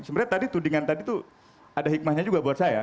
sebenarnya tadi tudingan tadi tuh ada hikmahnya juga buat saya